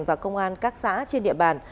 và công an các xã trên địa bàn